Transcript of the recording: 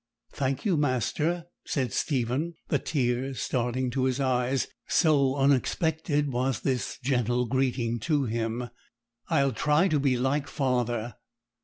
'Thank you, master,' said Stephen, the tears starting to his eyes, so unexpected was this gentle greeting to him; 'I'll try to be like father.'